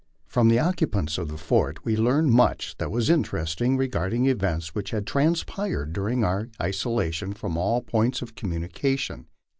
From the occupants of the fort we learned much that was interesting regarding events which had transpired during our isolation from all points of communi cation.